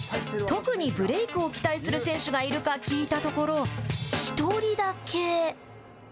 特にブレークを期待する選手がいるか聞いたところ、１人だけ。